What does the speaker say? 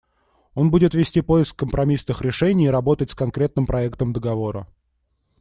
Он будет вести поиск компромиссных решений и работать с конкретным проектом договора.